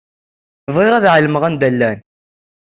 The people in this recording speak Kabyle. Bɣiɣ ad ɛelmeɣ anda llan.